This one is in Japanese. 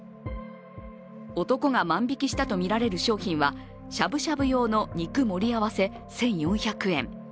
男が万引きしたとみられる商品はしゃぶしゃぶ用の肉盛り合わせ１４００円。